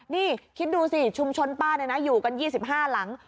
นี่คิดดูสิชุมชนป้าอยู่กัน๒๕หลัง